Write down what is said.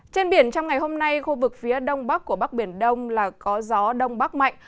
trên biển trong ngày hôm nay khu vực phía đông bắc của bắc biển đông là có gió đông bắc mạnh